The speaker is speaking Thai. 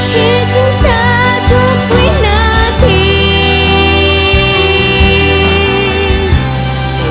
คิดถึงเธอทุกวินาที